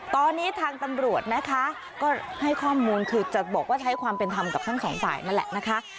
ตอนนี้ทางตำรวจนะคะก็ให้ข้อมูลคือจะบอกว่าใช้ความเป็นธรรมกับทั้งสองฝ่ายนั่นแหละนะคะ